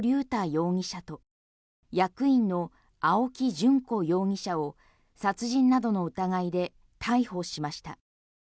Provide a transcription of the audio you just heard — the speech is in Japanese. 容疑者と役員の青木淳子容疑者を殺人などの疑いで逮捕しました。